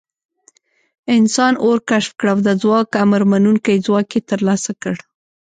انسان اور کشف کړ او د ځواک امرمنونکی ځواک یې تر لاسه کړ.